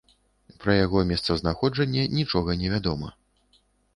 Пра яго месцазнаходжанне нічога не вядома.